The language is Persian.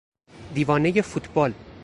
دیوانهی فوتبال